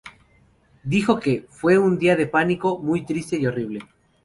Dijo que "fue un día de pánico, muy triste y horrible".